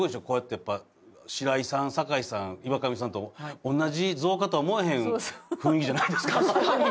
こうやってやっぱ白井さん酒井さん岩上さんと同じ造花とは思えへん雰囲気じゃないですか。